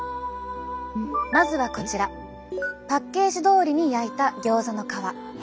まずはこちらパッケージどおりに焼いたギョーザの皮。